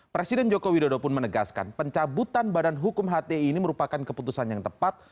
presiden joko widodo pun menegaskan pencabutan badan hukum hti ini merupakan keputusan yang tepat